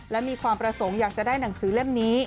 และมีความประสงค์อยากจะได้หนังสือเล่มนี้